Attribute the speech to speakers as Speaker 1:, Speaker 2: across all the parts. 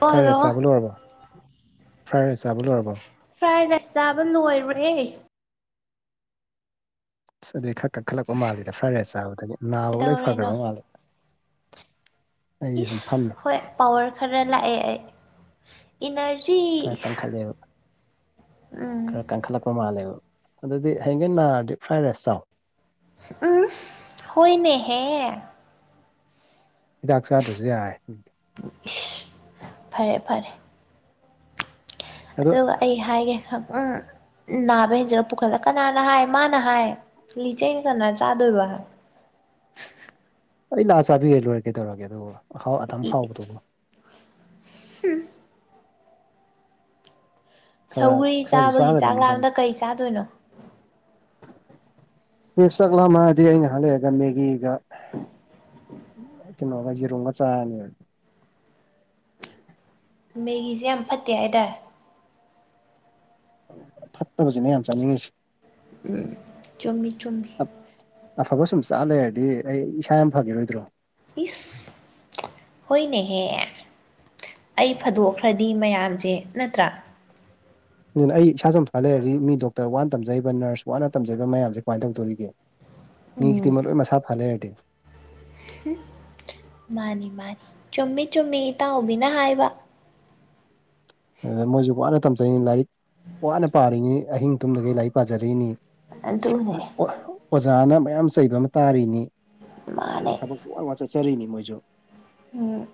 Speaker 1: Hello
Speaker 2: fry
Speaker 1: hello
Speaker 2: rice ꯆꯥꯕ ꯂꯣꯏꯔꯕ fry rice ꯆꯥꯕ ꯂꯣꯏꯔꯕꯣ
Speaker 1: ꯐ꯭ꯔꯥꯏ ꯔꯥꯏꯁ ꯆꯥꯕ ꯂꯣꯏꯔꯨꯔꯦ꯫
Speaker 2: ꯑ ꯑꯗꯨꯩ ꯈꯔ ꯀꯛꯈꯠꯂꯛꯄ ꯃꯥꯜꯂꯤꯦꯗ ꯐ꯭ꯔꯥꯏ ꯔꯥꯏꯁ ꯆꯥꯕꯗꯒꯤ ꯅꯥꯕ ꯂꯣꯏ ꯐꯈ꯭ꯔꯕ
Speaker 1: ꯀꯩꯗꯧꯔꯤꯅꯣ
Speaker 2: ꯃꯥꯜꯂꯦ꯫ ꯑꯩꯒꯤ ꯁꯨꯝ
Speaker 1: ꯏꯁ
Speaker 2: ꯐꯝꯃꯦ
Speaker 1: ꯍꯣꯏ ꯄꯋꯥꯔ ꯈꯔ ꯂꯥꯛꯑꯦ ꯑꯩ ꯏꯅꯔꯖꯤ
Speaker 2: ꯈꯔ ꯀꯟꯈꯠꯂꯦꯕ
Speaker 1: ꯎꯝ
Speaker 2: ꯈꯔ ꯀꯟꯈꯠꯂꯛꯄ ꯃꯥꯜꯂꯦꯕ ꯑꯗꯨꯗꯤ ꯍꯌꯦꯡ ꯅꯥꯔꯗꯤ ꯐ꯭ꯔꯥꯏ ꯔꯥꯏꯁ ꯆꯥꯎ
Speaker 1: ꯎꯝ ꯍꯅꯦ ꯍꯦ
Speaker 2: ꯍꯤꯗꯥꯛ ꯆꯥꯗ꯭ꯔꯁꯨ ꯌꯥꯔꯦ꯫
Speaker 1: ꯏꯁ ꯐꯔꯦ ꯐꯔꯦ꯫
Speaker 2: ꯑꯗꯣ
Speaker 1: ꯑꯗꯨꯒ ꯑꯩ ꯍꯥꯏꯒꯦ ꯎꯝ ꯅꯥꯕ ꯍꯦꯟꯖꯤꯜꯂ ꯄꯨꯈꯠꯂꯒ ꯀꯅꯥꯅ ꯍꯥꯏ ꯃꯥꯅ ꯍꯥꯏ ꯂꯤꯆꯅ ꯀꯅꯥꯅ ꯆꯥꯗꯣꯏꯕ
Speaker 2: ꯑꯩ ꯂꯥꯛ ꯆꯥꯕꯤꯒꯦ ꯂꯣꯏꯔꯀꯦ ꯇꯧꯔꯒꯦ ꯑꯗꯨꯕꯨꯥꯎ ꯑꯗꯨꯝ ꯍꯥꯎꯕꯗꯨꯕꯨ
Speaker 1: ꯍꯨꯝ
Speaker 2: ꯈꯔ
Speaker 1: ꯁꯧꯒ꯭ꯔꯤ
Speaker 2: ꯈꯔꯁꯨ
Speaker 1: ꯆꯥꯕꯒꯤ ꯆꯥꯛ
Speaker 2: ꯆꯥꯒꯗꯕꯅꯤ ꯀꯩꯅꯣ
Speaker 1: ꯂꯥꯝꯗ ꯀꯩ ꯆꯥꯗꯣꯏꯅꯣ
Speaker 2: ꯑꯦ ꯆꯥꯛꯂꯥꯃꯗꯤ ꯑꯩꯅ ꯍꯜꯂꯛꯑꯒ ꯃꯦꯒꯤꯒ ꯀꯩꯅꯣ ꯌꯦꯔꯨꯃ ꯒꯥ ꯆꯥꯔꯥꯅꯤ꯫
Speaker 1: ꯃꯦꯒꯤꯁꯦ ꯌꯥꯝ ꯐꯠꯇꯦ ꯍꯥꯏꯇꯏ
Speaker 2: ꯐꯠꯇꯕꯁꯤꯅꯦ ꯌꯥꯝ ꯆꯪꯅꯤꯡꯉꯁꯦ꯫
Speaker 1: ꯎꯝ ꯆꯨꯝꯃꯤ ꯆꯨꯝꯃꯤ꯫
Speaker 2: ꯑꯐꯕ ꯁꯨꯝ ꯆꯥ ꯂꯩꯔꯗꯤ ꯑꯩ ꯏꯁꯥ ꯌꯥꯝ ꯐꯈꯤꯔꯣꯏꯗ꯭ꯔꯣ꯫
Speaker 1: ꯏꯁ ꯍꯣꯏꯅꯤꯍꯦ ꯑꯩ ꯐꯥꯗꯣꯛꯈ꯭ꯔꯗꯤ ꯃꯌꯥꯝꯁꯦ ꯅꯠꯇ꯭ꯔꯥ
Speaker 2: ꯑꯗꯨꯅ ꯑꯩ ꯏꯁꯥ ꯁꯨꯝ ꯐ ꯂꯩꯔꯗꯤ ꯃꯤ ꯗꯣꯛꯇꯔ ꯋꯥꯅ ꯇꯝꯖꯔꯤꯕ ꯅꯔꯁ ꯋꯥꯠꯅ ꯇꯝꯖꯔꯤꯕ ꯃꯌꯥꯝꯁꯦ ꯀꯃꯥꯏꯅ ꯇꯧꯗꯣꯔꯤꯒꯦ꯫ ꯃꯤ
Speaker 1: ꯎꯝ
Speaker 2: ꯃꯁ ꯐꯔ ꯂꯩꯔꯗꯤ꯫
Speaker 1: ꯃꯥꯅꯤ ꯃꯥꯅꯤ ꯆꯨꯝꯃꯤ ꯆꯨꯝꯃꯤ ꯏꯇꯥꯎꯍꯕꯤꯅ ꯍꯥꯏꯕ
Speaker 2: ꯑꯗ ꯃꯣꯏꯁꯨ ꯋꯥꯅ ꯇꯝꯖꯔꯤꯅꯤ ꯂꯥꯏꯔꯤꯛ ꯋꯥꯅ ꯄꯥꯔꯤꯅꯤ ꯑꯍꯤꯡ ꯇꯨꯝꯗꯒꯤ ꯂꯥꯏꯔꯤꯛ ꯄꯥꯖꯔꯛꯏꯅꯤ꯫
Speaker 1: ꯑꯗꯨꯅꯦ
Speaker 2: ꯑꯣꯖꯥꯅ ꯃꯌꯥꯝ ꯆꯩꯕ ꯑꯃ ꯇꯥꯔꯤꯅꯤ꯫
Speaker 1: ꯃꯥꯅꯦ꯫
Speaker 2: ꯊꯕꯛ ꯋꯥ ꯋꯥ ꯆꯠꯆꯔꯤꯅꯤ ꯃꯣꯏꯁꯨ
Speaker 1: ꯎꯝ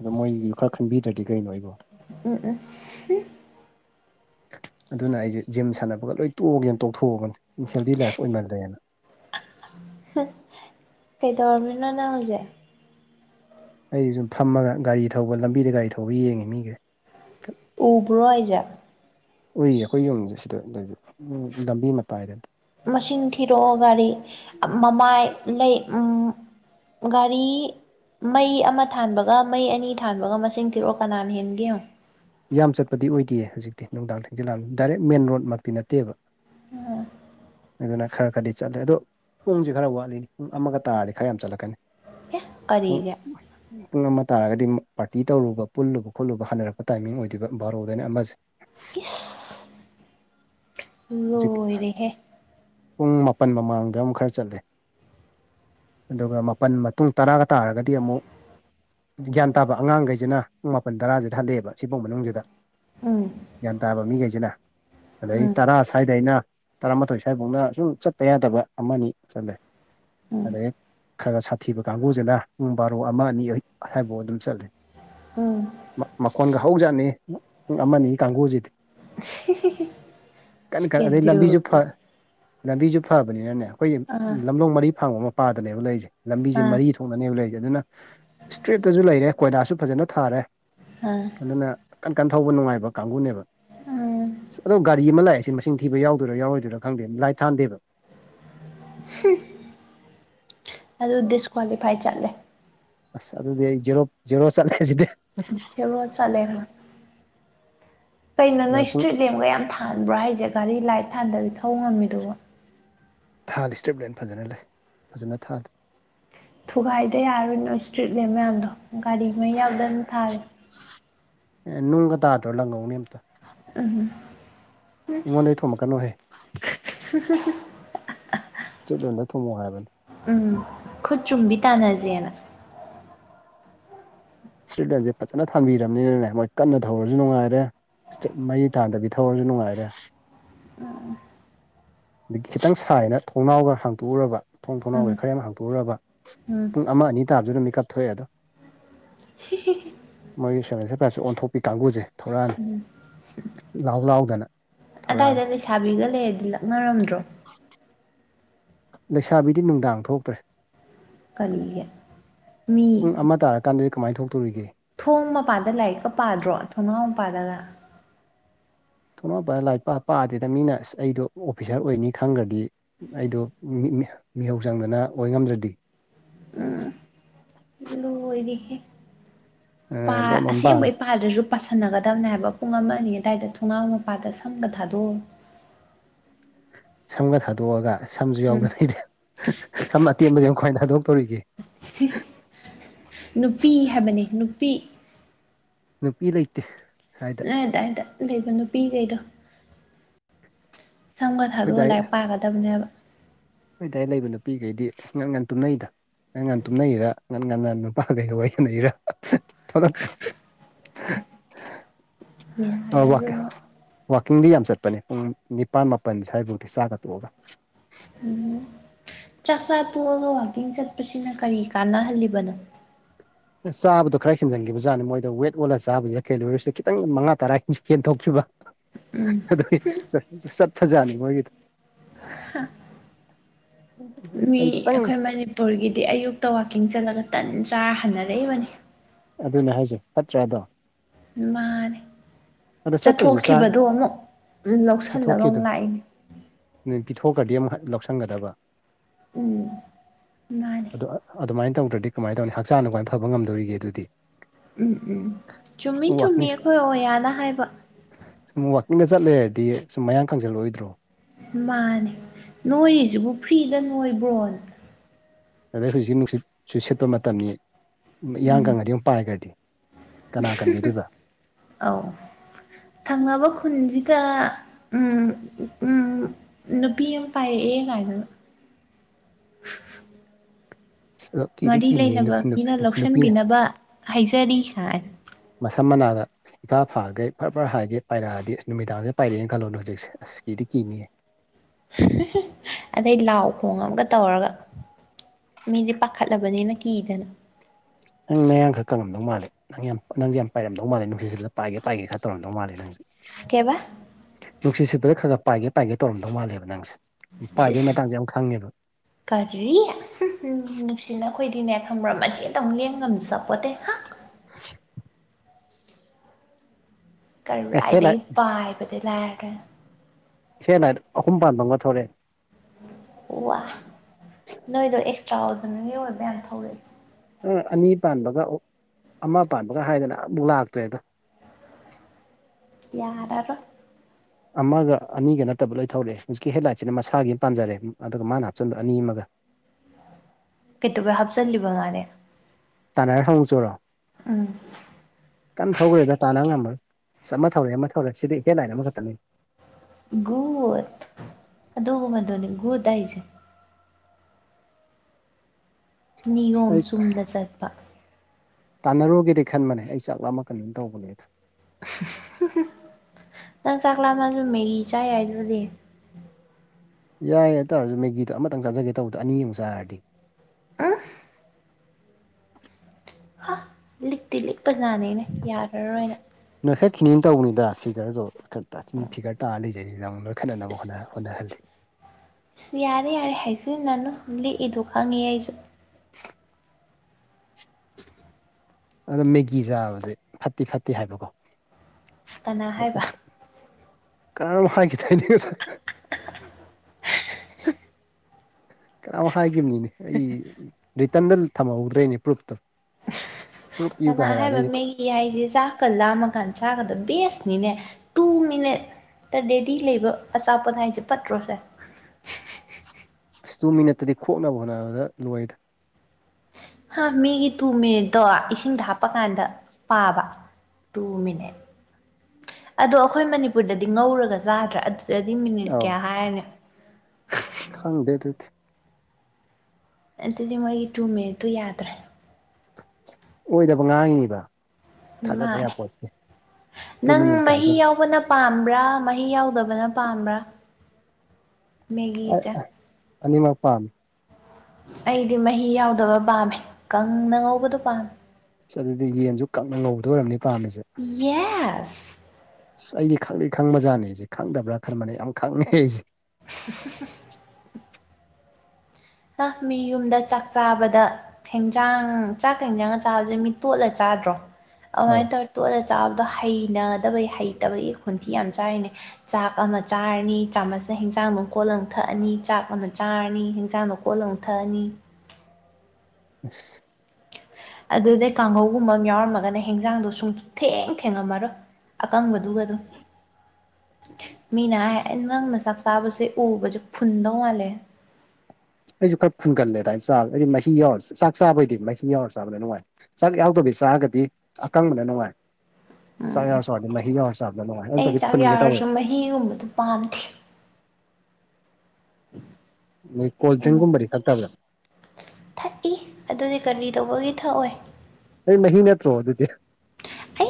Speaker 2: ꯑꯗꯣ ꯃꯣꯏꯒꯤꯁꯨ ꯈꯔ ꯈꯟꯕꯤꯗ꯭ꯔꯗꯤ ꯀꯩꯅꯣ ꯑꯩꯕꯨꯣ
Speaker 1: ꯎꯝ ꯎꯝ ꯍꯨꯝ
Speaker 2: ꯑꯗꯨꯅ ꯑꯩꯁꯦ ꯖꯤꯝ ꯁꯥꯟꯅꯕꯒ ꯂꯣꯏ ꯇꯣꯛꯑꯒꯦꯅ ꯇꯣꯛꯊꯣꯛꯑꯕꯅꯤ ꯍꯦꯜꯗꯤ ꯂꯥꯏꯐ ꯑꯣꯏꯃꯜꯂꯦꯑꯅ
Speaker 1: ꯀꯩꯗꯔꯃꯤꯅꯣ ꯅꯪ ꯍꯖꯤꯛ
Speaker 2: ꯑꯩ ꯁꯨꯝ ꯊꯝꯃꯒ ꯒꯥꯔꯤ ꯊꯧꯕ ꯂꯝꯕꯤꯗ ꯒꯥꯔꯤ ꯊꯧꯕ ꯌꯦꯡꯉꯤ ꯃꯤꯒꯦ
Speaker 1: ꯎꯕ꯭ꯔꯣ ꯍꯥꯏꯖꯥꯛ
Speaker 2: ꯎꯏꯌꯦ ꯑꯩꯈꯣꯏ ꯌꯨꯝꯁꯦ ꯁꯤꯗ ꯂꯩꯁꯦ ꯂꯝꯕꯤ ꯃꯇꯥꯏꯗ
Speaker 1: ꯃꯁꯤꯡ ꯊꯤꯔꯛꯑꯣ ꯒꯥꯔꯤ ꯃꯃꯥꯏ ꯂꯩ ꯎꯝ ꯒꯥꯔꯤ ꯃꯩ ꯑꯃ ꯊꯥꯟꯕꯒ ꯃꯩ ꯑꯅꯤ ꯊꯥꯟꯕꯒ ꯃꯁꯤꯡ ꯊꯤꯔꯛꯑꯣ ꯀꯅꯥꯅ ꯍꯦꯟꯒꯦ ꯌꯦꯡꯉꯣ
Speaker 2: ꯌꯥꯝ ꯆꯠꯄꯗꯤ ꯑꯣꯏꯗꯦ ꯍꯧꯖꯤꯛꯇꯤ ꯅꯨꯡꯗꯥꯡ ꯊꯦꯡꯖꯤꯜꯂꯛꯑ ꯗꯥꯏꯔꯦꯛ ꯃꯦꯟ ꯔꯣꯗꯃꯛꯇꯤ ꯅꯠꯇꯦꯕ
Speaker 1: ꯎꯝ
Speaker 2: ꯑꯗꯨꯅ ꯈꯔ ꯈꯔꯗꯤ ꯆꯠꯂꯦ ꯑꯗꯣ ꯄꯨꯡꯁꯤꯦ ꯈꯔ ꯋꯥꯠꯂꯤꯅꯤ ꯄꯨꯡ ꯑꯃꯒ ꯇꯥꯔꯗꯤ ꯈꯔ ꯌꯥꯝ ꯆꯠꯂꯛꯀꯅꯤ
Speaker 1: ꯑꯦ
Speaker 2: ꯨꯡ
Speaker 1: ꯀꯔꯤꯒꯤ
Speaker 2: ꯄꯨꯡ ꯑꯃ ꯇꯥꯔꯒꯗꯤ ꯄꯥꯔꯇꯤ ꯇꯧꯔꯨꯕ ꯄꯨꯜꯂꯨꯕ ꯈꯣꯠꯂꯨꯕ ꯍꯥꯟꯅꯔꯛꯄ ꯇꯥꯏꯃꯤꯡ ꯑꯣꯏꯗꯕ ꯚꯕꯥꯔꯣꯗꯅ ꯑꯃꯁꯦ
Speaker 1: ꯀꯤꯁ
Speaker 2: ꯍꯧꯖꯤꯛ
Speaker 1: ꯂꯣꯏꯔꯦꯍꯦ
Speaker 2: ꯄꯨꯡ ꯃꯥꯄꯟ ꯃꯃꯥꯡꯗ ꯑꯃꯨꯛ ꯈꯔ ꯆꯠꯂꯦ ꯑꯗꯨꯒ ꯃꯥꯄꯟ ꯃꯇꯨꯡ ꯇꯔꯥꯒ ꯇꯥꯔꯒꯗꯤ ꯑꯃꯨꯛ ꯒ꯭ꯌꯥꯟ ꯇꯥꯕ ꯑꯉꯥꯡꯈꯩꯁꯤꯅ ꯄꯨꯡ ꯃꯥꯄꯟ ꯇꯔꯥꯁꯤꯗ ꯍꯜꯂꯛꯑꯕ ꯁꯤꯐꯥꯎ ꯃꯅꯨꯡꯁꯤꯗ
Speaker 1: ꯎꯝ
Speaker 2: ꯒ꯭ꯌꯥꯟ ꯇꯥꯕ ꯃꯤꯈꯩꯁꯤꯅꯦ ꯑꯗꯒꯤ
Speaker 1: ꯎꯝ
Speaker 2: ꯇꯔꯥ ꯁ꯭ꯋꯥꯏꯗ ꯑꯩꯅ ꯇꯔꯥꯃꯥꯊꯣꯏ ꯈꯥꯏꯐꯥꯎꯅ ꯁꯨꯝ ꯆꯠꯇ ꯌꯥꯗꯕ ꯑꯃꯅꯤ ꯆꯠꯂꯦ
Speaker 1: ꯎꯝ
Speaker 2: ꯑꯗꯩ ꯈꯔ ꯈ ꯁꯥꯊꯤꯕ ꯀꯥꯡꯕꯨꯁꯤꯅ ꯄꯨꯡ ꯕꯥꯔꯣ ꯑꯃ ꯑꯅꯤ ꯑꯍꯛ ꯍꯥꯏꯐꯧ ꯑꯗꯨꯝ ꯆꯠꯂ
Speaker 1: ꯎꯝ ꯁꯤꯁ
Speaker 2: ꯃꯈꯣꯟꯒ ꯍꯧꯖꯥꯠꯅꯤ ꯄꯨꯡ ꯑꯃꯅꯤ ꯀꯥꯡꯒꯨꯁꯤꯗꯤ ꯀꯟ ꯀꯟꯅ ꯑꯗꯩ ꯂꯝꯕꯤꯁꯨ
Speaker 1: ꯁ꯭ꯀꯦꯗꯨꯜ
Speaker 2: ꯐ ꯂꯝꯕꯤꯁꯨ ꯐꯕꯅꯤꯅꯅꯦ ꯑꯩꯈꯣꯏꯁꯦ
Speaker 1: ꯑꯥ
Speaker 2: ꯂꯝꯂꯣꯡ ꯃꯔꯤ ꯐꯪꯕ ꯑꯃ ꯄꯥꯗꯅꯦꯕ ꯂꯩꯔꯤꯁꯦ ꯂꯝꯕꯤꯁꯦ
Speaker 1: ꯑꯥ
Speaker 2: ꯃꯔꯤ ꯊꯣꯛ ꯐꯣꯡꯅꯅꯦ ꯂꯩꯔꯤꯦ ꯑꯗꯨꯅ ꯏꯁꯇ꯭ꯔꯤꯠꯇꯁꯨ ꯂꯩꯔꯦ ꯀꯣꯏꯂꯁꯨ ꯐꯖꯅ ꯊꯥꯔꯦ
Speaker 1: ꯑꯥ
Speaker 2: ꯑꯗꯨꯅ ꯀꯟ ꯀꯟ ꯊꯧꯕ ꯅꯨꯡꯉꯥꯏꯕ ꯀꯥꯡꯕꯨꯅꯦꯕ
Speaker 1: ꯎꯝ
Speaker 2: ꯑꯗꯣ ꯒꯥꯔꯤ ꯑꯃ ꯂꯥꯛꯑꯦꯁꯦ ꯃꯁꯤꯡ ꯊꯤꯕ ꯌꯥꯎꯗꯣꯏꯔꯥ ꯌꯥꯎꯔꯣꯏꯗꯣꯏꯔꯥ ꯈꯪꯗꯦ ꯂꯥꯏꯠ ꯊꯥꯟꯗꯦꯕ
Speaker 1: ꯑꯗꯨꯗ ꯎꯗꯁ ꯀ꯭ꯋꯥꯂꯤꯐꯥꯏ ꯆꯦ
Speaker 2: ꯑꯁ ꯑꯗꯨꯗꯤ ꯑꯩ ꯖꯦꯔꯣ ꯖꯦꯔꯣ ꯆꯠꯂꯦꯁꯤꯗꯤ
Speaker 1: ꯊꯧꯔ ꯆꯂꯦ ꯃꯥ ꯀꯩꯅꯣ ꯅꯣꯏ
Speaker 2: ꯄꯨꯡ
Speaker 1: ꯏꯁꯇ꯭ꯔꯤꯠ ꯂꯦꯝꯒ ꯌꯥꯝ ꯊꯥꯟꯕ꯭ꯔꯣ ꯍꯥꯏꯁꯦ ꯒꯥꯔꯤ ꯂꯥꯏꯠ ꯊꯥꯟꯗꯕꯤ ꯊꯧꯕ ꯉꯝꯃꯤꯗꯨꯕꯨ
Speaker 2: ꯊꯥꯜꯂꯤ ꯏꯁꯇ꯭ꯔꯤꯞ ꯂꯦꯟ ꯐꯖꯅ ꯂꯩ ꯐꯖꯅ ꯊꯥꯜꯂꯤ
Speaker 1: ꯊꯨꯒꯥꯏꯗ ꯌꯥꯔꯣꯏꯅꯣ ꯏꯁꯇ꯭ꯔꯤꯠꯂ ꯃꯌꯥꯝꯗꯣ ꯒꯥꯔꯤꯉꯩ ꯌꯥꯎꯗꯅ ꯊꯥꯔ
Speaker 2: ꯑꯦ ꯅꯨꯡꯒ ꯇꯥꯗ꯭ꯔꯣ ꯂꯪꯍꯧꯅꯤ ꯑꯝꯇ
Speaker 1: ꯎꯝ
Speaker 2: ꯑꯩꯉꯣꯟꯗꯗꯒꯤ ꯊꯣꯃꯛꯛꯀꯅꯨꯍꯦ
Speaker 1: ꯁꯨꯁ
Speaker 2: ꯏꯁꯇꯦꯔꯤꯠꯂꯣꯟꯗ ꯊꯝꯃꯣ ꯍꯥꯏꯕꯅꯤ
Speaker 1: ꯎꯝ ꯈꯨꯠ ꯆꯨꯝꯕꯤ ꯇꯥꯟꯅꯁꯦꯅ
Speaker 2: ꯏꯁꯇ꯭ꯔꯤꯠꯂꯦꯟꯁꯦ ꯐꯖꯅ ꯊꯥꯟꯕꯤꯔꯔꯕꯅꯤꯅꯅꯦ ꯃꯣꯏ ꯀꯟꯅ ꯊꯧꯔꯁꯨ ꯅꯨꯡꯉꯥꯏꯔꯦ ꯃꯔꯤ ꯇꯥꯗꯕꯤ ꯊꯧꯔꯁꯨ ꯅꯨꯡꯉꯥꯏꯔꯦ
Speaker 1: ꯎꯝ
Speaker 2: [unintelligible] ꯑꯗꯒꯤ ꯈꯤꯇꯪ ꯁꯥꯏꯅ ꯊꯣꯡꯅꯥꯎꯒ ꯍꯥꯡꯇꯣꯛꯎꯔꯕ ꯊꯣꯡ
Speaker 1: ꯎꯝ
Speaker 2: ꯊꯣꯡꯅꯥꯎꯒ ꯈꯔ ꯌꯥꯝ ꯍꯥꯡꯇꯣꯛꯎꯔꯕ
Speaker 1: ꯎꯝ
Speaker 2: ꯄꯨꯡ ꯑꯃ ꯑꯅꯤ ꯇꯥꯕꯗꯨꯅ ꯃꯤꯀꯑꯞ ꯊꯣꯛꯑꯦ ꯑꯗꯣ
Speaker 1: [unintelligible]
Speaker 2: ꯃꯣꯏꯒꯤ ꯁꯕꯦꯟ ꯁꯦ ꯄꯥꯏꯞꯁꯨ ꯑꯣꯟꯊꯣꯛꯄꯤ ꯀꯥꯡꯕꯨꯁꯦ ꯊꯧꯔꯥꯅꯤ
Speaker 1: ꯎꯝ
Speaker 2: ꯂꯥꯎ ꯂꯥꯎꯗꯅ ꯊꯧꯔꯛꯑꯅꯤ
Speaker 1: ꯑꯗꯥꯏꯗ ꯂꯩꯁꯥꯕꯤꯒ ꯂꯩꯔꯗꯤ ꯂꯛꯅꯔꯝꯗ꯭ꯔꯣ
Speaker 2: ꯑ ꯂꯩꯁꯥꯕꯤꯗꯤ ꯅꯨꯡꯗꯥꯡ ꯊꯣꯛꯇ꯭ꯔꯦ
Speaker 1: ꯀꯔꯤꯒꯤ ꯃꯤ
Speaker 2: ꯄꯨꯡ ꯑꯃ ꯇꯥꯔꯀꯥꯟꯗꯗꯤ ꯀꯃꯥꯏ ꯊꯣꯛꯇꯣꯔꯤꯒꯦ
Speaker 1: ꯊꯣꯡ ꯃꯄꯥꯗ ꯂꯥꯏꯔꯤꯛꯀ ꯄꯥꯗ꯭ꯔꯣ ꯊꯣꯡꯅꯥꯎ ꯃꯄꯥꯗꯒ
Speaker 2: ꯊꯣꯡꯅꯥꯎ ꯄ ꯂꯥꯏꯔꯤꯛꯄꯥ ꯄꯥꯗꯦꯗ ꯃꯤꯅ ꯑꯁ ꯑꯩꯗꯣ ꯑꯣꯐꯤꯁꯥꯔ ꯑꯣꯏꯅꯤ ꯈꯪꯒ꯭ꯔꯗꯤ ꯑꯩꯗꯣ ꯃꯤ ꯃꯤ ꯃꯤꯍꯧ ꯆꯪꯗꯅ ꯑꯣꯏ ꯉꯝꯗ꯭ꯔꯗꯤ
Speaker 1: ꯎꯝ ꯂꯣꯏꯔꯤꯍꯦ ꯄꯥ
Speaker 2: ꯂꯣꯟ ꯂꯣꯟ ꯄꯥ
Speaker 1: ꯑꯁꯦꯡꯕꯩ ꯄꯥꯗ꯭ꯔꯖꯨ ꯄꯥꯁꯟꯅꯒꯗꯝꯅꯦ ꯍꯥꯏꯕ ꯄꯨꯡ ꯑꯃ ꯑꯅꯤ ꯑꯗꯨꯋꯥꯏꯗ ꯊꯣꯡꯅꯥꯎ ꯃꯄꯥꯗ ꯁꯝꯒ ꯊꯥꯗꯣ
Speaker 2: ꯁꯝꯒ ꯊꯥꯗꯣꯛꯑꯒ ꯁꯝꯖꯨ
Speaker 1: ꯎꯝ
Speaker 2: ꯌꯥꯎꯗꯅ ꯑꯩꯗꯤ ꯁꯝ ꯑꯇꯦꯟꯕꯖꯦ ꯑꯝ ꯀꯃꯥꯏ ꯊꯥꯗꯣꯛꯇꯣꯔꯤꯒꯦ
Speaker 1: ꯅꯨꯄꯤ ꯍꯥꯏꯕꯅꯦ ꯅꯨꯄꯤ
Speaker 2: ꯅꯨꯄꯤ ꯂꯩꯇꯦ ꯁ꯭ꯋꯥꯏꯗ
Speaker 1: ꯅꯣꯏ ꯑꯗꯥꯏꯗ ꯂꯩꯕ ꯅꯨꯄꯤꯒꯩꯗꯣ ꯁꯝꯒ ꯊꯥꯗꯣꯛꯑ
Speaker 2: ꯑꯩꯈꯣꯏꯗꯥꯏ
Speaker 1: ꯂꯥꯏꯔꯤꯛ ꯄꯥꯒꯗꯕꯅꯦꯕ
Speaker 2: ꯍꯣꯏꯗꯥꯏ ꯂꯩꯕ ꯅꯨꯄꯤꯒꯩꯗꯤ ꯉ ꯉꯟ ꯇꯨꯝꯅꯩꯗ ꯅꯪ ꯉꯥꯟ ꯇꯨꯝꯅꯩꯔ ꯉꯟ ꯉꯟꯅ ꯅꯨꯄꯥꯒꯩꯒ ꯋꯥꯔꯤ ꯁꯅꯩꯔ ꯊꯣꯛꯂꯛꯇꯦ ꯑ ꯋꯥꯀ
Speaker 1: ꯌꯥꯔꯔꯣꯏ
Speaker 2: ꯋꯥꯛꯀꯤꯡꯗꯤ ꯌꯥꯝ ꯆꯠꯄꯅꯦ ꯄꯨꯡ ꯅꯤꯄꯥꯥꯟ ꯃꯥꯄꯟ ꯁꯥꯏꯕꯨꯛꯇꯤ ꯆꯥꯒ ꯇꯣꯛꯑꯒ
Speaker 1: ꯎꯝ ꯆꯥꯛ ꯆꯥ ꯇꯣꯛꯑꯒ ꯋꯥꯛꯀꯤꯡ ꯆꯠꯄꯁꯤꯅ ꯀꯔꯤ ꯀꯥꯟꯅꯍꯜꯂꯤꯕꯅꯣ
Speaker 2: ꯆꯥꯕꯗ ꯈꯔ ꯍꯦꯟꯖꯤꯟꯒꯤꯕ ꯖꯥꯠꯅꯤ ꯃꯣꯏꯗ ꯋꯦꯠ ꯑꯣꯂ ꯆꯥꯕꯖꯤꯔ ꯀꯦꯂꯣꯔꯤꯁꯦ ꯈꯤꯇꯪ ꯃꯉꯥ ꯇꯔꯥ ꯍꯦꯟꯖꯤ ꯍꯦꯟꯊꯣꯛꯈꯤꯕ
Speaker 1: ꯎꯝ
Speaker 2: ꯑꯗꯨꯏ ꯆꯠ ꯁꯠ ꯐꯖꯍꯟꯅꯤꯡꯕꯒꯤ
Speaker 1: ꯍꯥ ꯃꯤ
Speaker 2: ꯑꯩ ꯈꯤꯇꯪ
Speaker 1: ꯑꯩꯈꯣꯏ ꯃꯅꯤꯄꯨꯔꯒꯤꯗꯤ ꯑꯌꯨꯛꯇ ꯋꯥꯛꯀꯤꯡ ꯆꯠꯂꯒ ꯇꯟ ꯆꯥꯔ ꯍꯟꯅꯔꯛꯏꯕꯅꯤ
Speaker 2: ꯑꯗꯨꯅꯦ ꯍꯥꯏꯖꯦ ꯐꯠꯇ꯭ꯔ ꯑꯗꯣ
Speaker 1: ꯃꯥꯅꯦ
Speaker 2: ꯑꯗꯣ ꯆꯠꯇ꯭ꯔꯁꯨ ꯆꯥ
Speaker 1: ꯆꯠꯊꯣꯛꯈꯤꯕꯗꯣ ꯑꯃꯨꯛ ꯂꯧꯁꯤꯜꯂꯒ
Speaker 2: ꯆꯠꯊꯣꯛꯀꯦꯗꯣ
Speaker 1: ꯑꯃꯨꯛ ꯂꯥꯛꯏꯅꯦ
Speaker 2: ꯄꯤꯊꯣꯛꯈ꯭ꯔꯗꯤ ꯑꯃꯨꯛ ꯂꯧꯁꯟꯒꯗꯕ
Speaker 1: ꯎꯝ ꯃꯥꯅꯦ
Speaker 2: ꯑꯗꯨ ꯑꯗꯨꯃꯥꯏꯅ ꯇꯧꯗ꯭ꯔꯗꯤ ꯀꯃꯥꯏ ꯇꯧꯅꯤ ꯍꯛꯆꯥꯟ ꯀꯃꯥꯏ ꯐꯕ ꯉꯝꯗꯣꯔꯤꯒꯦ ꯑꯗꯨꯗꯤ
Speaker 1: ꯎꯝ ꯎꯝ ꯆꯨꯝꯃꯤ
Speaker 2: ꯁꯨꯝ
Speaker 1: ꯆꯨꯝꯃꯤ
Speaker 2: ꯋꯥꯛꯀꯤꯡ
Speaker 1: ꯑꯩꯈꯣꯏ ꯑꯣ ꯌꯥꯅ ꯍꯥꯏꯕ
Speaker 2: ꯁꯨꯝ ꯋꯥꯀꯤꯡꯒ ꯆꯠꯂꯩꯔꯗꯤ ꯁꯨꯝ ꯃꯌꯥꯡ ꯀꯪꯖꯜꯂꯣꯏꯗ꯭ꯔꯣ
Speaker 1: ꯃꯥꯅꯦ ꯅꯣꯏꯔꯤꯖꯤꯕꯨ ꯐ꯭ꯔꯤꯗ ꯅꯣꯏꯕ꯭ꯔꯣ ꯅ
Speaker 2: ꯑꯗꯩ ꯍꯧꯖꯤꯛ ꯅꯨꯡꯁꯤꯠꯁꯨ ꯁꯤꯠꯄ ꯃꯇꯝꯅꯤ ꯌꯥꯡ
Speaker 1: ꯎꯝ
Speaker 2: ꯀꯪꯉꯗꯤ ꯑꯃꯨꯛ ꯄꯥꯏꯒ꯭ꯔꯗꯤ ꯀꯅꯥ ꯀꯟꯕꯤꯗꯣꯏꯕ
Speaker 1: ꯑꯧ ꯊꯪꯅꯕ ꯈꯨꯟꯖꯤꯗ ꯎꯝ ꯎꯝ ꯅꯨꯄꯤ ꯑꯃ ꯄꯥꯏꯔꯦꯑꯦ ꯀꯥꯏꯅꯒ
Speaker 2: ꯑꯗꯣ ꯀꯤꯗꯤ
Speaker 1: ꯃꯔꯤ
Speaker 2: ꯀꯤꯅꯤꯌꯦ
Speaker 1: ꯂꯩꯅꯕ ꯃꯤꯅ
Speaker 2: ꯅꯨꯄꯤꯅ
Speaker 1: ꯂꯧꯁꯤꯟꯕꯤꯅꯕ ꯍꯥꯏꯖꯔꯤ ꯍꯥꯏ
Speaker 2: ꯃꯁꯝ ꯃꯅꯥꯒ ꯏꯐꯥ ꯐꯥꯒꯩ ꯐꯔ ꯐꯔ ꯍꯥꯏꯒꯩ ꯄꯥꯏꯔꯛꯑꯗꯤ ꯑꯁ ꯅꯨꯃꯤꯗꯥꯡꯗ ꯄꯥꯏꯔꯛ ꯑꯦꯅ ꯈꯜꯂꯣꯅꯦ ꯍꯧꯖꯤꯛꯁꯦ ꯑꯁꯀꯤꯗꯤ ꯀꯤꯅꯤꯍꯦ
Speaker 1: ꯑꯗꯩ ꯂꯥꯎ ꯈꯣꯡ ꯑꯃꯒ ꯇꯧꯔꯒ ꯃꯤꯗꯤ ꯄꯥꯈꯠꯂꯕꯅꯤꯅ ꯀꯤꯗꯅ
Speaker 2: ꯅꯪ ꯃꯌꯥꯡ ꯈꯔ ꯀꯪꯉꯝꯗꯧ ꯃꯥꯜꯂꯤ ꯅꯪ ꯌꯥꯝ ꯅꯪꯖꯦ ꯌꯥꯝ ꯄꯥꯏꯔꯝꯗꯧ ꯃꯥꯜꯂꯦ ꯅꯨꯡꯁꯤꯠ ꯁꯤꯠꯄꯗ ꯄꯥꯏꯒꯦ ꯄꯥꯏꯒꯦ ꯈ ꯇꯧꯔꯝꯗꯧ ꯃꯥꯂꯦ ꯅꯪꯖꯦ
Speaker 1: ꯀꯩꯕ
Speaker 2: ꯅꯨꯡꯁꯤꯠ ꯁꯤꯠꯄꯗ ꯈꯔ ꯈꯔ ꯄꯥꯏꯒꯦ ꯄꯥꯏꯒꯦ ꯇꯧꯔꯝꯗꯧ ꯃꯥꯜꯂꯦꯕ ꯅꯪꯁꯦ
Speaker 1: ꯏꯁ
Speaker 2: ꯄꯥꯏꯕꯒꯤ
Speaker 1: ꯏꯁ
Speaker 2: ꯃꯇꯥꯡꯁꯦ ꯌꯥꯝ ꯈꯪꯉꯦꯕ
Speaker 1: ꯀꯔꯤ ꯍꯨꯝ ꯅꯨꯡꯁꯤꯅ ꯑꯩꯈꯣꯏꯗꯤꯅꯦ ꯈꯪꯕ꯭ꯔꯣ ꯃꯆꯦꯠꯇ ꯂꯦꯝ ꯉꯝ ꯖꯄꯣꯠꯇꯦ ꯍꯥ
Speaker 2: ꯑꯦ ꯍꯦꯛ
Speaker 1: ꯀꯔꯥꯏꯗꯒꯤ
Speaker 2: ꯂꯥꯛ
Speaker 1: ꯄꯥꯏꯕꯗꯤ ꯂꯥꯏꯔꯗꯅ
Speaker 2: ꯍꯦꯠ ꯂꯥꯏꯠ ꯑꯍꯨꯝ ꯄꯥꯟꯕ ꯑꯃꯒ ꯊꯣꯔꯦ
Speaker 1: ꯋꯥ ꯅꯣꯏꯗꯣ ꯑꯦꯛꯁꯇ꯭ꯔꯥ ꯑꯣꯗꯅꯔꯤ ꯑꯣꯏꯕ ꯌꯥꯝ ꯊꯧꯔꯛꯑꯦ
Speaker 2: ꯎꯝ ꯑꯅꯤ ꯄꯥꯟꯕꯒ ꯑꯣ ꯑꯃ ꯄꯥꯟꯕꯒ ꯍꯥꯏꯗꯅ ꯑꯝꯕꯨꯛ ꯂꯥꯛꯇ꯭ꯔꯦꯗ
Speaker 1: ꯌꯥꯔꯔꯣꯏ
Speaker 2: ꯑꯃꯒ ꯑꯅꯤꯒ ꯅꯠꯇꯕ ꯂꯣꯏ ꯊꯧꯔꯦ ꯍꯧꯖꯤꯛꯀꯤ ꯍꯦꯠꯂꯥꯏꯠꯁꯤꯅ ꯃꯁꯥꯒꯤ ꯑꯃ ꯄꯥꯟꯖꯔꯦ ꯑꯗꯨꯒ ꯃꯥꯅ ꯍꯥꯞꯆꯤꯟꯕ ꯑꯅꯤ ꯑꯃꯒ
Speaker 1: ꯀꯩꯇꯧꯕꯩ ꯍꯥꯞꯆꯤꯜꯂꯤꯕ ꯉꯥꯔꯦ
Speaker 2: ꯇꯥꯟꯅꯔ ꯍꯪꯆꯣꯔꯔꯣ
Speaker 1: ꯎꯝ
Speaker 2: ꯀꯝ ꯊꯧꯈ꯭ꯔꯦꯗ ꯇꯥꯅ ꯉꯝꯃ ꯆ ꯑꯃ ꯊꯧꯔꯦ ꯑꯃ ꯊꯧꯔꯦ ꯁꯤꯗꯤ ꯏꯐꯦꯠ ꯂꯥꯏꯟ ꯑꯃꯈꯛꯇꯅꯤ
Speaker 1: ꯑꯗꯒꯣ ꯃꯗꯅꯤ ꯇꯥꯏꯁꯦ ꯅꯤꯌꯣꯝ
Speaker 2: ꯑꯩ
Speaker 1: ꯆꯨꯝꯅ ꯆꯠꯂꯤ
Speaker 2: ꯇꯥꯟꯅꯔꯨꯒꯦꯗꯤ ꯈꯟꯕꯅꯦ ꯑꯩ ꯆꯥꯛꯂꯥꯛꯃ ꯀꯩꯅꯣꯝ ꯇꯧꯕꯅꯦꯗ
Speaker 1: ꯍꯝ ꯍꯝ ꯅꯪ ꯆꯥꯛꯂꯥꯑꯃꯁꯨ ꯃꯦꯔꯤ ꯆꯥ ꯌꯥꯏ ꯑꯗꯨꯕꯨꯗꯤ
Speaker 2: ꯌꯥꯏ ꯍꯥꯏꯇꯥꯔꯁꯨ ꯃꯦꯒꯤꯗꯣ ꯑꯃꯇꯪ ꯆꯥꯖꯒꯦ ꯇꯧꯕꯗꯣ ꯑꯅꯤꯃꯨꯛ ꯆꯥꯔꯗꯤ
Speaker 1: ꯑꯥ ꯂꯤꯛꯇꯤ ꯂꯤꯛꯄ ꯖꯥꯠꯅꯤꯅꯦ ꯌꯥꯔꯔꯣꯏꯅ
Speaker 2: ꯅꯣꯏꯈꯠꯈꯤꯅꯤꯅ ꯇꯧꯕꯅꯤꯗ ꯐꯤꯒꯔꯗꯣ ꯐꯤꯒꯔ ꯇꯥꯔ ꯂꯩꯖꯔꯤꯁꯤꯅ ꯑꯃꯨꯛ ꯅꯣꯏꯈꯠꯅꯕ ꯍꯣꯠꯅ ꯍꯝ ꯍꯝ
Speaker 1: ꯑ ꯌꯥꯔꯦ ꯌꯥꯔꯦ ꯍꯥꯏꯁꯤꯁꯤꯅ ꯅꯪ ꯂꯤꯛꯏꯗꯣ ꯈꯪꯉꯦ ꯑꯩꯁꯨ
Speaker 2: ꯑꯗꯣ ꯃꯦꯒꯤ ꯆꯥꯕꯁꯦ ꯐꯠꯇꯦ ꯐꯠꯇꯦ ꯍꯥꯏꯕꯀꯣ
Speaker 1: ꯀꯅꯥ ꯍꯥꯏꯕ
Speaker 2: ꯀꯥꯔ ꯍꯥꯏ ꯊꯥꯏꯗꯤꯒ ꯀꯅꯥꯃꯨꯛ ꯍꯥꯏꯈꯤꯕꯅꯤꯅꯦ ꯑꯩ ꯔꯤꯇꯟꯗ ꯊꯝꯍꯍꯧꯗ꯭ꯔꯦꯅꯦ ꯄ꯭ꯔꯨꯐꯇꯣ
Speaker 1: ꯀꯅ ꯍꯥꯏꯕꯃꯤ ꯑꯦꯌꯥꯏꯁꯦ ꯆꯥꯛꯀ ꯂꯥꯝꯃꯀꯥꯟꯗ ꯆꯥꯒꯗ ꯕꯦꯁꯅꯤꯅꯦ ꯇꯨ ꯃꯤꯅꯠ ꯇꯔ ꯗꯦꯗꯤ ꯂꯩꯕ ꯑꯆꯥꯄꯣꯠ ꯍꯥꯏꯁꯦ ꯄꯠꯇ꯭ꯔꯣꯁꯦ
Speaker 2: ꯑꯁ ꯇꯨ ꯃꯤꯅꯠꯇꯗꯤ ꯈꯣꯛꯅꯕ ꯍꯣꯠꯅꯕꯗ ꯅꯨꯡꯉꯥꯏꯗ
Speaker 1: ꯍꯥ ꯃꯤꯒꯤ ꯇꯨ ꯃꯤꯅꯤꯠꯇꯣ ꯏꯁꯤꯡꯗ ꯍꯥꯞꯄꯀꯥꯟꯗ ꯄꯥꯕ ꯇꯨ ꯃꯤꯅꯤꯠ ꯑꯗꯣ ꯑꯩꯈꯣꯏ ꯃꯅꯤꯄꯨꯔꯗꯗꯤ ꯉꯧꯔꯒ ꯆꯥꯗ꯭ꯔꯥ ꯆꯗꯤ ꯃꯤꯅꯤꯠ
Speaker 2: ꯑꯧ
Speaker 1: ꯀꯌꯥ ꯍꯥꯏꯔꯅ
Speaker 2: ꯈꯪꯗꯦ ꯑꯗꯨꯗꯤ
Speaker 1: ꯑꯗꯨꯗꯤ ꯃꯣꯏꯒꯤ ꯇꯔ꯭ꯨꯃꯦꯠꯇꯨ ꯌꯥꯗ꯭ꯔꯦ
Speaker 2: ꯑꯣꯏꯗꯕ ꯉꯥꯡꯉꯤꯅꯤꯕ ꯊꯥꯖꯕ
Speaker 1: ꯃꯥꯅꯦ
Speaker 2: ꯌꯥꯄꯣꯠꯇꯦ ꯇꯨ
Speaker 1: ꯅꯪ
Speaker 2: ꯃꯤꯅꯠꯀ
Speaker 1: ꯃꯍꯤ
Speaker 2: ꯍꯥꯏꯖꯜ
Speaker 1: ꯌꯥꯎꯕꯅ ꯄꯥꯝꯕ꯭ꯔꯥ ꯃꯍꯤ ꯌꯥꯎꯗꯕꯅ ꯄꯥꯝꯕ꯭ꯔꯥ ꯃꯦꯒꯤꯁꯦ
Speaker 2: ꯑꯅꯤꯃꯛꯄꯥꯝ
Speaker 1: ꯑꯩꯗꯤ ꯃꯍꯤ ꯌꯥꯎꯗꯕ ꯄꯥꯝꯃꯦ ꯀꯪꯅ ꯉꯧꯕꯗꯨꯣ ꯄꯥꯝꯃꯦ
Speaker 2: ꯑꯗꯨꯗꯤ ꯌꯦꯟꯁꯨ ꯀꯛꯅ ꯉꯧꯗꯣꯏꯔꯔꯕꯅꯤ ꯄꯥꯝꯃꯤꯁꯦ
Speaker 1: ꯌꯦꯁ
Speaker 2: ꯑꯁ ꯑꯩꯗꯤ ꯈꯪꯗꯦ ꯈꯪꯕꯖꯥꯠꯅꯤ ꯑꯩꯁꯦ ꯈꯪꯗꯕ꯭ꯔꯥ ꯈꯔ ꯃꯅꯦ ꯌꯥꯝ ꯈꯪꯅ ꯑꯩꯁꯦ
Speaker 1: [unintelligible] ꯅ ꯃꯤ ꯌꯨꯝꯗ ꯆꯥꯛ ꯆꯥꯕꯗ ꯍꯦꯟꯖꯥꯡ ꯆꯥꯛ ꯌꯦꯦꯟꯖꯥꯡꯒ ꯆꯥꯕꯁꯦ ꯃꯤ ꯇꯣꯠꯂ ꯆꯥꯗ꯭ꯔꯣ
Speaker 2: ꯑꯧ
Speaker 1: ꯑꯗꯨꯃꯥꯏꯅ ꯇꯧꯔ ꯇꯣꯠꯂ ꯆꯥꯕꯗꯣ ꯍꯩꯅꯗꯕ ꯍꯩꯇꯕꯒꯤ ꯈꯣꯟꯊꯤ ꯌꯥꯝ ꯆꯥꯔꯤꯅꯦ ꯆꯥꯛ ꯑꯃ ꯆꯥꯔꯅꯤ ꯆꯥꯃꯁꯁꯦ ꯍꯤꯟꯖꯥꯡ ꯅꯨꯡꯈꯣꯠꯂ ꯊꯛꯑꯅꯤ ꯆꯥꯛ ꯑꯃ ꯆꯥꯔꯅꯤ ꯍꯤꯟꯖꯥꯡ ꯄꯂꯣꯡꯊꯅꯤ
Speaker 2: ꯑꯁ
Speaker 1: ꯑꯗꯨꯗꯩ ꯀꯥꯡꯍꯧ ꯒꯨꯝꯕ ꯑꯃ ꯌꯥꯎꯔꯝꯃꯒꯅ ꯍꯦꯟꯖꯥꯡꯗꯣ ꯁꯨꯡ ꯊꯦꯡ ꯊꯦꯡꯉꯝꯃꯔꯣꯏ ꯑꯀꯪꯕꯗꯨꯒ ꯑꯗꯨꯝ ꯃꯤꯅ ꯍꯥꯏ ꯑꯩ ꯅꯪꯅ ꯆꯥꯛ ꯆꯥꯕꯁꯦ ꯎꯕꯁꯦ ꯐꯨꯟꯗꯧ ꯃꯥꯜꯂꯦ
Speaker 2: ꯑꯩꯁꯨ ꯈꯔ ꯐꯨꯟꯒꯜꯂꯦ ꯑꯗꯨꯃꯅ ꯆꯥ ꯑꯩꯗꯤ ꯃꯍꯤ ꯌꯥꯎꯔ ꯆꯥꯛ ꯆꯥꯕꯩꯗꯤ ꯃꯍꯤ ꯌꯥꯔ ꯆꯥꯕꯅ ꯅꯨꯡꯉꯥꯏ ꯆꯥꯛ ꯌꯥꯎꯗꯕꯤ ꯆꯥꯔꯒꯗꯤ ꯑꯀꯪꯕꯅ ꯅꯨꯡꯉꯥꯏ ꯆꯥꯛ
Speaker 1: ꯎꯝ
Speaker 2: ꯌꯥꯎꯔꯁꯨ ꯋꯥꯠꯅꯤ ꯃꯍꯤ ꯌꯥꯎꯔꯁꯨ ꯁꯥꯠꯗꯅ ꯉꯥꯏ ꯑꯗꯨꯝꯇꯗꯤ ꯐꯨꯟꯒꯦ ꯇꯧꯋꯦ
Speaker 1: ꯐꯔꯤꯒꯨꯝꯕꯗꯣ ꯄꯥꯝꯗꯦ
Speaker 2: ꯃꯣꯏ ꯀꯣꯜ
Speaker 1: ꯑꯩ
Speaker 2: ꯗ꯭ꯔꯤꯛꯀꯨꯝꯕꯗꯤ ꯈꯛꯇꯕ꯭ꯔꯥ
Speaker 1: ꯊꯛꯏ ꯑꯗꯨꯗꯤ ꯀꯔꯤ ꯇꯧꯕꯒꯤ ꯊꯛꯑꯣꯏ
Speaker 2: ꯑꯩ ꯃꯍꯤ ꯅꯠꯇ꯭ꯔꯣ ꯑꯗꯨꯗꯤ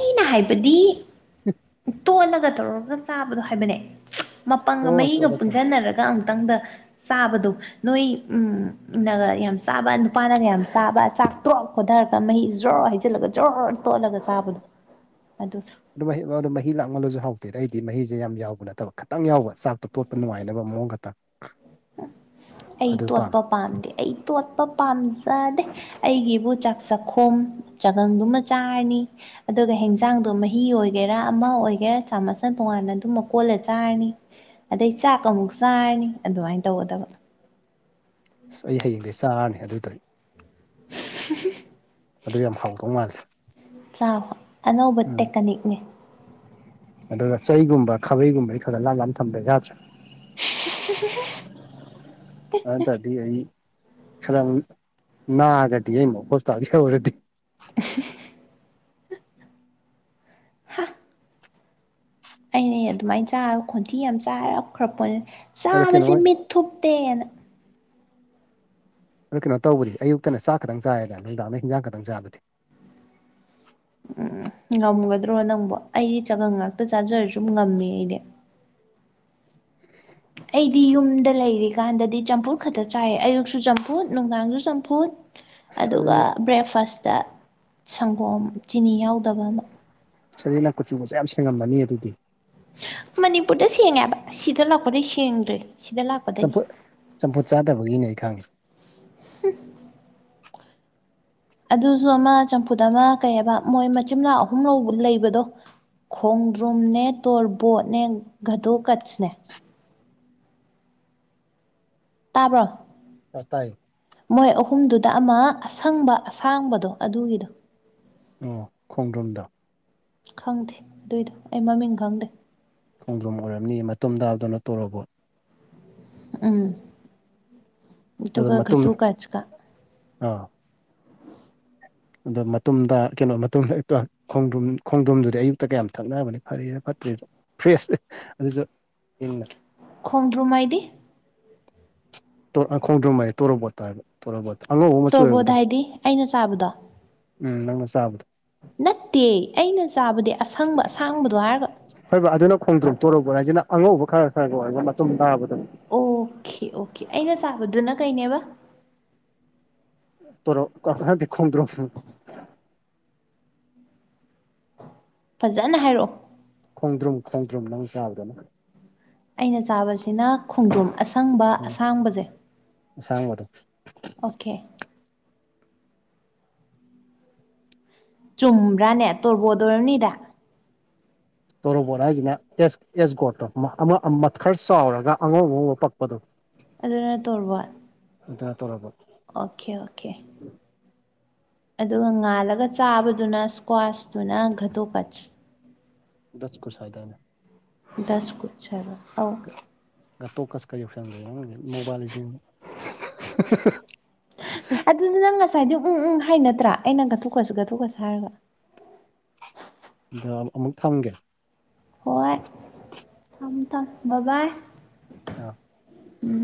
Speaker 1: ꯃꯤꯅ ꯍꯥꯏꯕꯗꯤ ꯇꯣꯠꯂꯒ ꯇꯧꯔꯒ ꯆꯥꯕꯗꯣ ꯍꯥꯏꯕꯅꯦ ꯃꯄꯪꯒ
Speaker 2: ꯑꯣ
Speaker 1: ꯃꯍꯤꯒ
Speaker 2: ꯇꯣꯠꯂ ꯆꯥꯏ
Speaker 1: ꯄꯨꯟꯖꯟꯅꯔꯒ ꯑꯃꯨꯛꯇꯪꯗ ꯆꯥꯕꯗꯣ ꯅꯣꯏ ꯎꯝ ꯅꯒ ꯌꯥꯝ ꯆꯥꯕ ꯅꯨꯄꯥꯅꯒ ꯌꯥꯝ ꯆꯥꯕ ꯆꯥꯛꯇ꯭ꯔꯣ ꯈ‌ꯣꯗꯥꯔꯒ ꯃꯍꯤ ꯖꯔ‌ꯣ ꯍꯩꯖꯤꯜꯂꯒ ꯖꯣꯔ ꯇꯣꯠꯂꯒ ꯆꯥꯕꯗꯣ ꯑꯗꯨꯗ‌ꯣ
Speaker 2: ꯑꯗꯨ ꯃꯍꯤ ꯑ ꯃꯍꯤ ꯂꯥꯡꯃꯜꯂꯖꯨ ꯍꯥꯎꯇꯦꯗ ꯑꯩꯗꯤ ꯃꯍꯤꯖ‌ꯦ ꯌꯥꯝ ꯌꯥꯎꯕ ꯅꯠꯇꯕ ꯈꯤꯇꯪ ꯌꯥꯎꯕ ꯆꯥꯛꯇꯣ ꯇꯣꯠꯄ ꯅꯨꯡꯉꯥꯏꯅꯕ ꯃꯑꯣꯡ ꯈꯛꯇ [unintelligible]
Speaker 1: ꯑꯩ ꯇꯣꯠꯄ ꯄꯥꯝꯗꯦ ꯑꯩ ꯇꯣꯠꯄ ꯄꯥꯝꯖꯗꯦ ꯑꯩꯒꯤꯕꯨ ꯆꯥꯛ ꯆꯥꯛꯈꯣꯝ ꯆꯒꯪꯗꯨꯃ ꯆꯥꯔꯅꯤ ꯑꯗꯨꯒ ꯍ‌ꯦꯟꯖꯥꯡꯗꯣ ꯃꯍꯤ ꯑꯣꯏꯒꯦꯔꯥ ꯑꯃ ꯑꯣꯏꯒꯦꯔꯥ ꯆꯥꯃꯁꯅ ꯇꯣꯡꯉꯥꯟꯅ ꯑꯗꯨꯝ ꯃꯀꯣꯜꯂ ꯆꯥꯔꯅꯤ ꯑꯗꯩ ꯆꯥꯛ ꯑꯃꯨꯛ ꯆꯥꯔꯅꯤ ꯑꯗꯨꯃꯥꯏꯟ ꯇꯧꯒꯗꯕ
Speaker 2: ꯑꯁ ꯑꯩ ꯍꯌꯦꯡꯗꯩ ꯆꯥꯔꯅꯤ ꯑꯗꯨꯗꯩ
Speaker 1: [unintelligible]
Speaker 2: ꯑꯗꯨ ꯌꯥꯝ ꯍꯥꯎꯗꯧ ꯃꯥꯜꯂꯦ
Speaker 1: ꯆꯥꯎ ꯑꯅꯧꯕ
Speaker 2: ꯎꯝ
Speaker 1: ꯇꯦꯛꯀꯅꯤꯛꯅꯦ
Speaker 2: ꯑꯗꯨꯒ ꯆꯩꯒꯨꯝꯕ ꯈꯥꯕꯩꯒꯨꯝꯕꯩ ꯈꯔꯛ ꯈꯔꯛ ꯂꯥꯞ ꯂꯥꯞꯅ ꯊꯝꯗ ꯌꯥꯗ꯭ꯔ‌ꯦ
Speaker 1: [unintelligible]
Speaker 2: ꯅꯠꯇ꯭ꯔꯗꯤ ꯑꯩ ꯈꯔꯝ ꯅꯥꯒꯗꯤ [unintelligible] ꯌꯧꯔꯗꯤ
Speaker 1: [unintelligible] ꯑꯩꯅ‌ꯦ ꯑꯗꯨꯃꯥꯏꯅ ꯆꯥꯒ ꯈꯣꯟꯊꯤ ꯌꯥꯝ ꯆꯥꯔꯞꯈ꯭ꯔꯄꯣꯠꯅꯤ
Speaker 2: ꯑꯗꯣ ꯀꯩꯅꯣ
Speaker 1: ꯆꯥꯕꯁꯦ ꯃꯤꯠ ꯊꯨꯞꯇꯦꯅ
Speaker 2: ꯑꯗꯨ ꯀꯩꯅꯣ ꯇꯧꯕꯗꯤ ꯑꯌꯨꯛꯇꯅ ꯆꯥꯛ ꯈꯇꯪ ꯆꯥꯔꯦꯗꯅ ꯅꯨꯃꯤꯗꯥꯡꯗꯅ ꯍꯤꯟꯖꯥꯡ ꯈꯛꯇꯪ ꯆꯥꯕꯗꯤ
Speaker 1: ꯎꯝ ꯉꯝꯒꯗ꯭ꯔꯣ ꯅꯪꯕꯣ ꯑꯩꯗꯤ ꯆꯒꯪ ꯉꯥꯛꯇ ꯆꯥꯖꯔꯁꯨ ꯉꯝꯃꯦ ꯑꯩꯗꯤ ꯑꯩꯗꯤ ꯌꯨꯝꯗ ꯂꯩꯔꯤꯀꯥꯟꯗꯗꯤ ꯆꯝꯐꯨꯠ ꯈꯛꯇ ꯆꯥꯏꯌꯦ ꯑꯌꯨꯛꯁꯨ ꯆꯝꯐꯨꯠ ꯅꯨꯡꯗꯥꯡꯁꯨ ꯆꯝꯐꯨꯠ
Speaker 2: ꯑꯁ
Speaker 1: ꯑꯗꯨꯒ
Speaker 2: ꯑꯗꯨꯗꯤ
Speaker 1: ꯕ꯭ꯔꯦꯛꯐꯥꯁꯇ ꯁꯪꯒꯣꯝ ꯆꯤꯅꯤ ꯌꯥꯎꯗꯕ ꯑꯃ
Speaker 2: ꯑꯗꯨꯗꯤ ꯅꯪ ꯀꯨꯆꯨꯒꯁꯦ ꯌꯥꯝ ꯁꯦꯡꯉꯝꯃꯅꯤ ꯑꯗꯨꯗꯤ
Speaker 1: ꯃꯅꯤꯄꯨꯔꯗ ꯁꯦꯡꯉꯦ ꯍꯥꯕ ꯁꯤꯗ ꯂꯥꯛꯄꯗꯩ ꯁꯦꯡꯗ꯭ꯔꯦ ꯁꯤꯗ ꯂꯥꯛ
Speaker 2: ꯆꯝꯐꯨꯠ ꯆꯝꯐꯨꯠ ꯆꯥꯗꯕꯒꯤꯅꯦ ꯑꯩ ꯈꯪꯉꯦ
Speaker 1: ꯑꯗꯨꯖꯨ ꯑꯃ ꯆꯝꯐꯨꯠ ꯑꯃ ꯀꯩ ꯍꯥꯏꯕ ꯃꯣꯏ ꯃꯆꯤꯟ ꯃꯅꯥꯎ ꯑꯍꯨꯝ ꯂꯧ ꯂꯩꯕꯗꯣ ꯈꯣꯡꯗ꯭ꯔꯨꯝꯅꯦ ꯇꯣꯔꯕꯣꯠꯅꯦ ꯘꯗꯣꯀꯠꯁꯅꯦ ꯇꯥꯕ꯭ꯔꯣ
Speaker 2: ꯇ ꯇꯥꯏ
Speaker 1: ꯃꯣꯏ ꯑꯍꯨꯝꯗꯨꯗ ꯑꯃ ꯑꯁꯪꯕ ꯑꯁꯥꯡꯕꯗꯣ ꯑꯗꯨꯒꯤꯗꯣ
Speaker 2: ꯑꯣ ꯈꯣꯡꯗ꯭ꯔꯨꯝꯗꯣ
Speaker 1: ꯈꯪꯗꯦ ꯑꯗꯨꯏꯗꯣ ꯑꯩ ꯃꯃꯤꯡ ꯈꯪꯗꯦ
Speaker 2: ꯈꯣꯡꯗ꯭ꯔꯨꯝ ꯑꯣꯏꯔꯝꯅꯤ ꯃꯇꯨꯝ ꯇꯥꯕꯗꯨꯅ ꯇꯣꯔꯣꯕ‌ꯣꯠ
Speaker 1: ꯎꯝ
Speaker 2: ꯑꯗꯣ
Speaker 1: ꯑꯗꯨꯒ
Speaker 2: ꯃꯇꯨꯝ
Speaker 1: ꯘꯗꯣꯀꯠꯁꯀ
Speaker 2: ꯑꯥ ꯑꯗꯣ ꯃꯇꯨꯝ ꯇꯥ ꯀꯩꯅꯣ ꯃꯇꯨꯝ ꯍ‌ꯦꯛꯇ ꯈ‌ꯣꯡꯗ꯭ꯔꯨꯝ ꯈꯣꯡꯗ꯭ꯔꯨꯝꯗꯨꯗꯤ ꯑꯌꯨꯛꯇꯒ ꯌꯥꯝ ꯊꯛꯅꯕꯅ‌ꯦ ꯐꯔꯤꯔ ꯐꯠꯇ꯭ꯔꯤꯔ ꯐ꯭ꯔꯦꯁꯅ‌ꯦ ꯑꯗꯨꯁꯨ ꯍꯤꯡꯅ
Speaker 1: ꯈꯣꯡꯗ꯭ꯔꯨꯝ ꯍꯥꯏꯗꯤ
Speaker 2: ꯇ‌ꯣ ꯈꯣꯡꯗ꯭ꯔꯨꯝ ꯑꯌ‌ꯦ ꯇꯣꯔ‌ꯣꯕ‌ꯣꯠꯇ‌ꯣ ꯍꯥꯏꯕ ꯇ‌ꯣꯔ‌ꯣꯕ‌ꯣꯠ ꯑꯉꯧ
Speaker 1: ꯇꯣꯔ‌ꯣꯕꯣꯠ ꯍꯥꯏꯗꯤ ꯑꯩꯅ ꯆꯥꯕꯗꯣ
Speaker 2: ꯎꯝ ꯅꯪꯅ ꯆꯥꯕꯗ‌ꯣ
Speaker 1: ꯅꯠꯇꯦ ꯑꯩꯅ ꯆꯥꯕꯗꯤ ꯑꯁꯪꯕ ꯑꯁꯥꯡꯕꯗꯣ ꯍꯥꯏꯔꯒ
Speaker 2: ꯍꯣꯏꯕ ꯑꯗꯨꯅ ꯈꯣꯡꯗ꯭ꯔꯨꯝ ꯇꯣꯔ‌ꯣꯕ‌ꯣꯠ ꯍꯥꯏꯖꯤꯅ ꯑꯉꯧꯕ ꯈꯔ ꯈꯔꯒ ꯑꯣꯏꯕ ꯃꯇꯨꯝ ꯇꯥꯕꯗ‌ꯣ
Speaker 1: ꯑꯣꯀꯦ ꯑꯣꯀꯦ ꯑꯩꯅ ꯆꯥꯕꯗꯨꯅ ꯀꯩꯅꯦꯕ
Speaker 2: ꯇꯣꯔꯣ ꯅꯠꯇꯦ ꯈꯣꯡꯗꯔꯨꯝ
Speaker 1: ꯐꯖꯅ ꯍꯥꯏꯔꯛꯑꯣ
Speaker 2: ꯈꯣꯡꯗ꯭ꯔꯨꯝ ꯈꯣꯡꯗ꯭ꯔꯨꯝ ꯅꯪ ꯆꯥꯕꯗꯨꯅ
Speaker 1: ꯑꯩꯅ ꯆꯥꯕꯁꯤꯅ ꯈꯣꯡꯗ꯭ꯔꯣꯝ ꯑꯁꯪꯕ
Speaker 2: ꯎꯝ
Speaker 1: ꯑꯁꯥꯡꯕꯁꯦ
Speaker 2: ꯑꯁꯥꯡꯕꯗꯣ
Speaker 1: ꯑꯣꯀꯦ ꯆꯨꯝꯕ꯭ꯔꯥꯅꯦ ꯇꯣꯔꯕꯣꯠ ꯑꯣꯏꯔꯝꯅꯤꯗ
Speaker 2: ꯇꯣꯔꯣꯕꯣꯠ ꯍꯥꯏꯖꯤꯅ ꯇꯦꯁ ꯑꯦꯁ ꯒꯣꯇ ꯑꯃ ꯈꯔ ꯆꯥꯎꯔꯒ ꯑꯉꯧ ꯑꯉꯧꯕ ꯄꯛꯄꯗꯣ
Speaker 1: ꯑꯗꯨꯅ ꯇꯣꯔꯕꯣꯠ
Speaker 2: ꯑꯗꯨ ꯇꯧꯔꯕꯣꯠ
Speaker 1: ꯑꯣꯀꯦ ꯑꯣꯀꯦ ꯑꯗꯨꯒ ꯉꯥꯜꯂꯒ ꯆꯥꯕꯗꯨꯅ ꯏꯁꯀ꯭ꯋꯥꯁꯇꯨꯅ ꯒꯇꯣꯒꯁ
Speaker 2: ꯗꯁ ꯀꯨꯁ ꯍꯥꯏꯗꯥꯏꯅꯦ
Speaker 1: ꯗꯁ ꯀꯨꯠꯁ ꯍꯥꯏꯕꯔ꯭ ꯑꯥꯎ
Speaker 2: ꯒꯇꯣꯠꯀꯆꯀ ꯌꯧꯁꯟꯒꯔ꯭ꯦ ꯑꯃꯗꯤ ꯃꯣꯕꯥꯏꯜ ꯂꯦꯖꯦꯟ
Speaker 1: ꯑꯗꯨꯁꯨ ꯅꯪ ꯉꯁꯥꯏꯗꯤ ꯎꯝ ꯎꯝ ꯍꯥꯏꯅꯠꯇ꯭ꯔꯥ ꯑꯩꯅ ꯒꯇꯣꯠꯀꯆ ꯒꯇꯣꯠꯀꯆ ꯍꯥꯏꯔꯒ
Speaker 2: ꯑꯃꯨꯛ ꯊꯝꯒꯦ
Speaker 1: ꯍꯣꯏ ꯊꯝ ꯊꯝ ꯕꯥ ꯕꯥꯏ
Speaker 2: ꯑꯥ
Speaker 1: ꯎꯝ